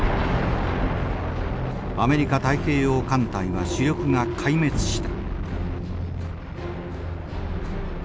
アメリカ太平洋艦隊は主力が壊滅した。